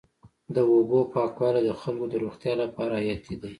د اوبو پاکوالی د خلکو د روغتیا لپاره حیاتي دی.